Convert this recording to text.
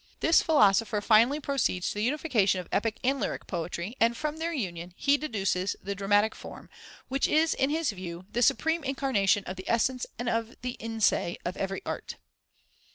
This philosopher finally proceeds to the unification of epic and lyric poetry, and from their union he deduces the dramatic form, which is in his view "the supreme incarnation of the essence and of the in se of every art."